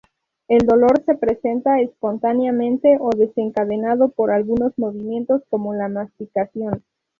El dolor se presenta espontáneamente o desencadenado por algunos movimientos, como la masticación.